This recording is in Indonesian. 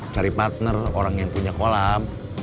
cari partner orang yang punya kolam